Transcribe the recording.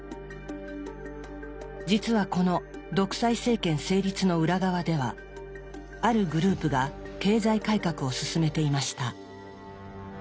実はこの独裁政権成立の裏側ではあるグループが経済改革を進めていました。